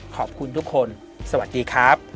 ขอบคุณทุกคนสวัสดีครับ